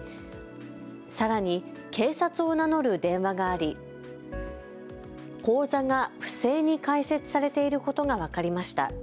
さらに警察を名乗る電話があり口座が不正に開設されていることが分かりました。